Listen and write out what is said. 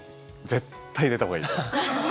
絶対入れたほうがいいです。